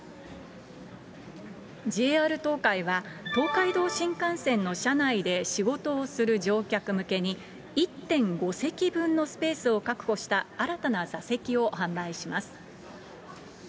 ＪＲ東海は、東海道新幹線の車内で仕事をする乗客向けに、１．５席分のスペースを確保した新たな座席を販売します。